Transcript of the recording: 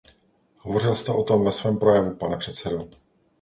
Hovořil jste o tom ve svém projevu, pane předsedo.